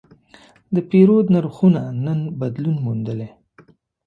د پیرود نرخونه نن بدلون موندلی.